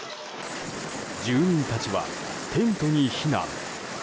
住民たちはテントに避難。